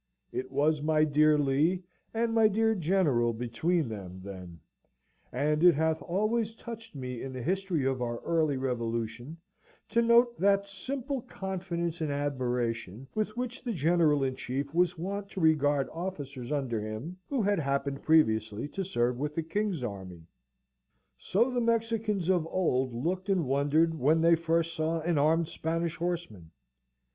It was my dear Lee and my dear General between them, then; and it hath always touched me in the history of our early Revolution to note that simple confidence and admiration with which the General in Chief was wont to regard officers under him, who had happened previously to serve with the King's army. So the Mexicans of old looked and wondered when they first saw an armed Spanish horseman!